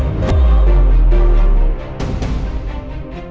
aku akan terus pakai cincin ini